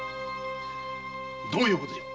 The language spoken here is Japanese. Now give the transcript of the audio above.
どういうことじゃ？